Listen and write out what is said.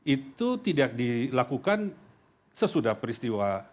itu tidak dilakukan sesudah peristiwa